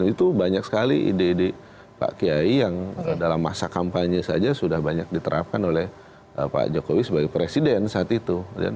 itu banyak sekali ide ide pak kiai yang dalam masa kampanye saja sudah banyak diterapkan oleh pak jokowi sebagai presiden saat itu